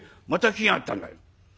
「また来やがったんだよ」。